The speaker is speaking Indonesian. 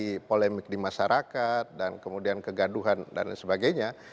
jadi polemik di masyarakat dan kemudian kegaduhan dan sebagainya